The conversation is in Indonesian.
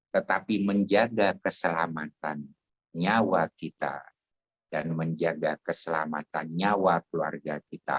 tetapi menjaga keselamatan nyawa kita dan menjaga keselamatan nyawa keluarga kita